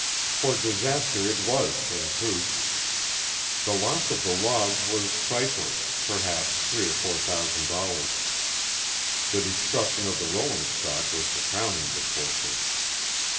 For disaster it was, in truth. The loss of the logs was trifling perhaps three or four thousand dollars; the destruction of the rolling stock was the crowning misfortune.